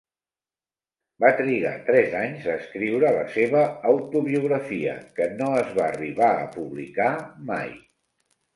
Va trigar tres anys a escriure la seva autobiografia, que no es va arribar a publicar mai.